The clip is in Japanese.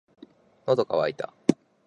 喉が渇いた。